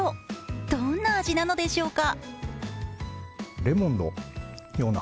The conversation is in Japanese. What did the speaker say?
どんな味なのでしょうか。